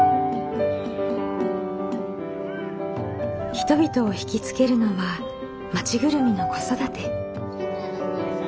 人々を引き付けるのは町ぐるみの子育て。